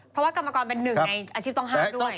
เพราะว่ากรรมกรเป็น๑ในอาชีพต้อง๕ด้วย